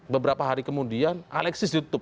beberapa hari kemudian alexis ditutup